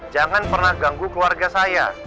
jangan pernah ganggu keluarga saya